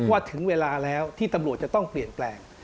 ถึงเวลาแล้วที่ตำรวจจะต้องเปลี่ยนแปลง